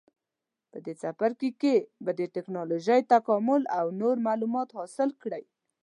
په دې څپرکي کې به د ټېکنالوجۍ تکامل او نور معلومات حاصل کړئ.